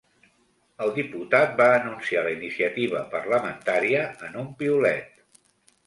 El diputat va anunciar la iniciativa parlamentària en un piulet.